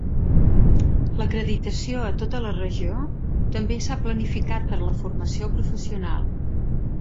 L'acreditació a tota la regió també s'ha planificat per a la formació professional.